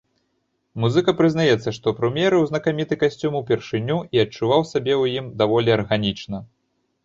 Музыка прызнаецца, што прымерыў знакаміты касцюм упершыню і адчуваў сябе ў ім даволі арганічна.